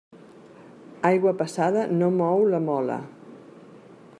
Aigua passada no mou la mola.